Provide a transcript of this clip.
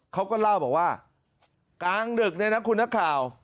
เขาก็เล่าบอกว่ากลางดึกเนี่ยนะคุณนักข่าว